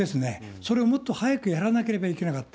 それをもっと早くやらなければいけなかった。